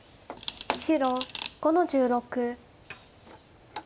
白５の十六。